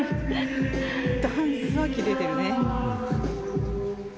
ダンスはキレてるね。